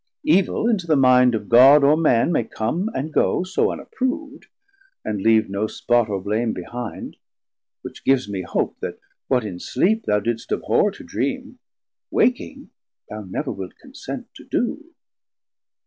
Evil into the mind of God or Man May come and go, so unapprov'd, and leave No spot or blame behind: Which gives me hope That what in sleep thou didst abhorr to dream, 120 Waking thou never wilt consent to do.